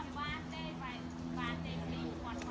แม่งเชิญดูคุยกับพวกเรา